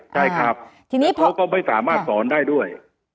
ใช่ครับทีนี้เขาก็ไม่สามารถสอนได้ด้วย